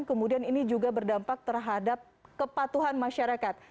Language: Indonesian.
kemudian ini juga berdampak terhadap kepatuhan masyarakat